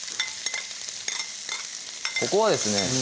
ここはですね